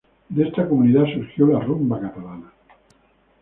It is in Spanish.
De esta comunidad surgió la rumba catalana.